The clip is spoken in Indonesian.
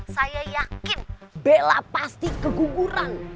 saya yakin bella pasti keguguran